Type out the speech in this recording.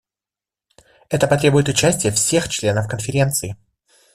Это потребует участия всех членов Конференции.